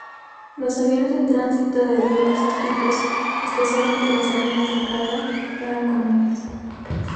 Los aviones en tránsito de diversos tipos, especialmente los aviones de carga, eran comunes.